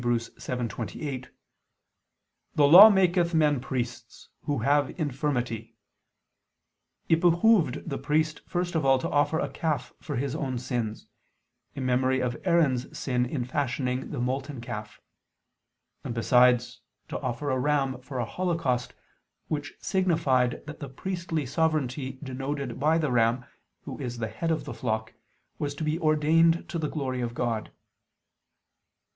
7:28), "the Law maketh men priests, who have infirmity," it behooved the priest first of all to offer a calf for his own sins, in memory of Aaron's sin in fashioning the molten calf; and besides, to offer a ram for a holocaust, which signified that the priestly sovereignty denoted by the ram, who is the head of the flock, was to be ordained to the glory of God.